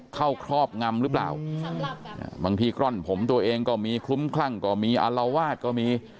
ครอบงำหรือเปล่าบางทีกร่อนผมตัวเองก็มีคลุ้มคลั่งก็มีอารวาสก็มี